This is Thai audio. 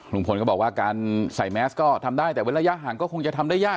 ลุงพลก็บอกว่าการใส่แมสก็ทำได้แต่เว้นระยะห่างก็คงจะทำได้ยาก